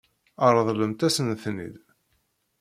Ṛeḍlemt-asent-ten-id.